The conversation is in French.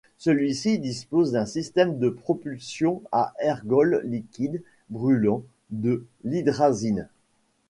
Celui-ci dispose d'un système de propulsion à ergols liquides brulant de l'hydrazine.